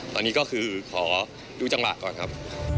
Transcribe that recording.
ตอนนี้ก็คือขอดูจังหวะก่อนครับ